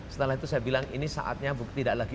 setelah itu saya bilang ini saatnya tidak lagi